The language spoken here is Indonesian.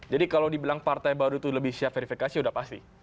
jadi kalau dibilang partai baru itu lebih siap verifikasi udah pasti